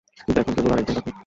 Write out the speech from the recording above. কিন্তু এখন কেবল আর একজন বাকি।